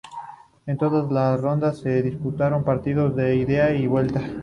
En todas las rondas se disputaron partidos de ida y vuelta.